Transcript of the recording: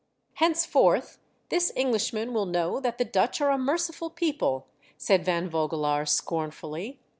" Henceforth this Englishman will know that the Dutch are a merciful people," said Van Vogelaar, scornfully.